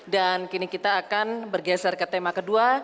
dan kini kita akan bergeser ke tema kedua